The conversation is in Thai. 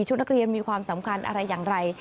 นักเรียนมีความสำคัญอะไรอย่างไร